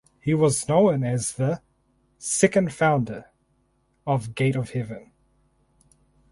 He was known as the "second founder" of Gate of Heaven.